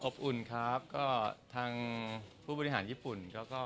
อบอุ่นครับก็ทางผู้บริหารญี่ปุ่น